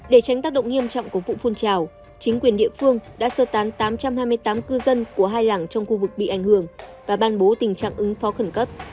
để tránh tác động nghiêm trọng của vụ phun trào chính quyền địa phương đã sơ tán tám trăm hai mươi tám cư dân của hai làng trong khu vực bị ảnh hưởng và ban bố tình trạng ứng phó khẩn cấp